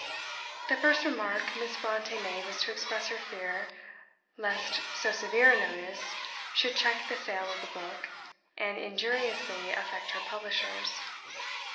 The first remark Miss Brontë made was to express her fear lest so severe a notice should check the sale of the book, and injuriously affect her publishers.